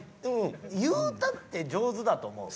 言うたって上手だと思う。